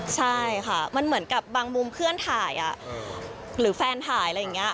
ใช่ค่ะมันเหมือนกับบางมุมเพื่อนถ่ายหรือแฟนถ่ายอะไรอย่างนี้